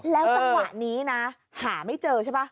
แล้วจังหวะนี้นะหาไม่เจอใช่ป่ะ